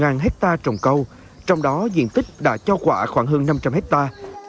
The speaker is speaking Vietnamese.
huyện tiên phước có hơn một hectare trồng câu trong đó diện tích đã cho quả khoảng hơn năm trăm linh hectare